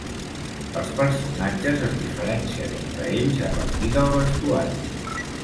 Els personatges es diferencien entre ells a partir del vestuari.